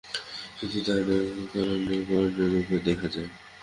শুধু তাহাই নয়, কারণই কার্যরূপে দেখা দেয়।